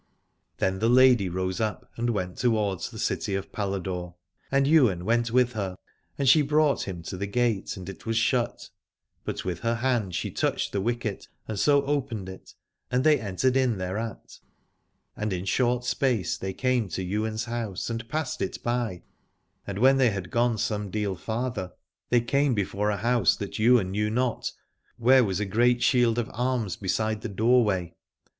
Then the lady rose up and went towards the city of Paladore : and Ywain went with her, and she brought him to the gate and it was shut. But with her hand she touched the wicket and so opened it, and they entered in thereat. And in short space they came to Ywain's house and passed it by, and when they had gone some deal farther they came 92 s ^ i 1 ^5^' MlVj ii i : 1 1 '! 1, i n ^^ si'^ ' J. ^■ .^i 1 Aladore before a house that Ywain knew not, where was a great shield of arms beside the doorway.